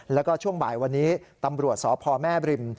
แล้วก็ช่วงบ่ายวันนี้ตำรวจสพแม่บริม